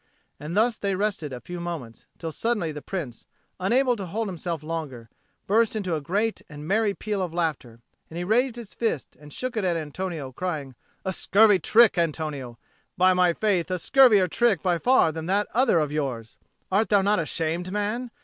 And thus they rested a few moments, till suddenly the Prince, unable to hold himself longer, burst into a great and merry peal of laughter; and he raised his fist and shook it at Antonio, crying, "A scurvy trick, Antonio! By my faith, a scurvier trick by far than that other of yours! Art thou not ashamed, man?